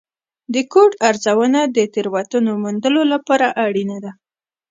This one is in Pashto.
د کوډ ارزونه د تېروتنو موندلو لپاره اړینه ده.